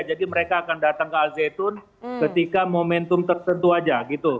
jadi mereka akan datang ke al zaitun ketika momentum tertentu saja